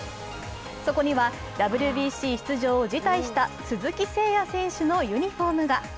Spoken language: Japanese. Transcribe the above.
そこにはＷＢＣ出場を辞退した鈴木誠也選手のユニフォームが。